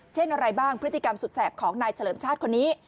เช่นอะไรบ้างพฤติกรรมสุดแสบของนายเฉลิมชาติคนนี้